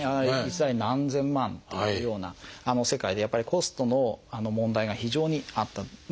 １台何千万っていうような世界でやっぱりコストの問題が非常にあった。